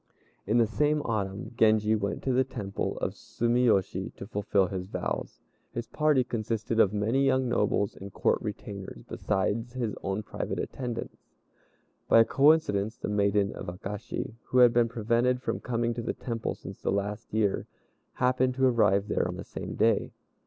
In the same autumn Genji went to the Temple of Sumiyoshi to fulfil his vows. His party consisted of many young nobles and Court retainers, besides his own private attendants. By a coincidence the maiden of Akashi, who had been prevented from coming to the Temple since the last year, happened to arrive there on the same day.